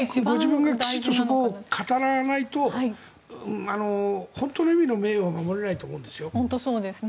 ご自分がきちんとそこを語らないと本当の意味の名誉を守れないと思うんですよ。